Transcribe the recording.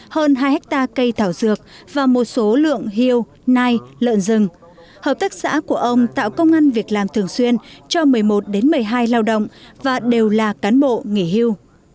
hơn hai hectare cây thảo dược và một số lượng hiêu nai lợn rừng hợp tác xã của ông tạo công an việc làm thường xuyên cho một mươi một một mươi hai lao động và đều là cán bộ nghỉ hưu